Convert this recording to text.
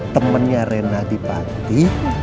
temennya rena di panti